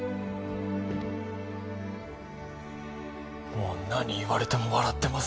もう何言われても笑ってます